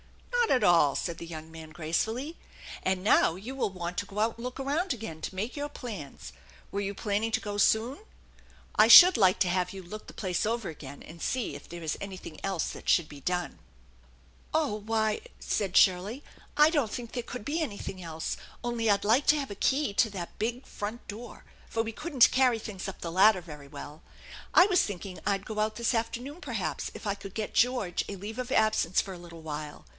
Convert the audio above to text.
" Not at all," said the young man gracefully. "And now you will want to go out and look around again to make your plans. Were you planning to go soon ? I should like to have you look the place over again and see if there is anything 1 else that should be done." " Oh, why," said Shirley, " I don't think there could be anything else; only I'd like 16 have a key to that big front THE ENCHANTED BARN 55 door, for we couldn't carry things up the ladder very welL I was thinking I'd go out this afternoon, perhaps, if I could get George a leave of absence for a little while.